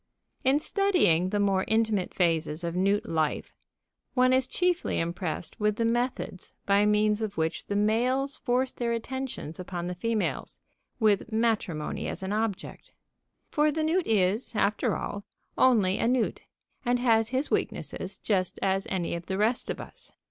In studying the more intimate phases of newt life, one is chiefly impressed with the methods by means of which the males force their attentions upon the females, with matrimony as an object. For the newt is, after all, only a newt, and has his weaknesses just as any of the rest of us.